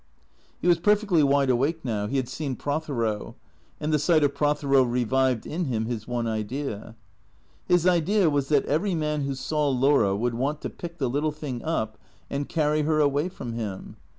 He was perfectly wide awake now ; he had seen Prothero ; and the sight of Prothero revived in him his one idea. His idea was that every man who saw Laura would want to pick the little thing up and carry her away from him.